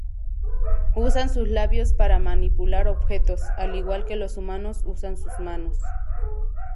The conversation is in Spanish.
Usan sus "labios" para manipular objetos, al igual que los humanos usan sus manos.